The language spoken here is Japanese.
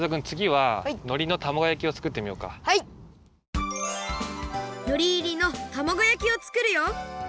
のりいりのたまご焼きをつくるよ！